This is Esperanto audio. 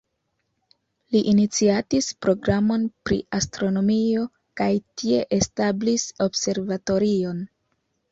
Li iniciatis programon pri astronomio kaj tie establis observatorion.